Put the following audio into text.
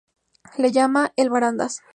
Le llaman "el barandas".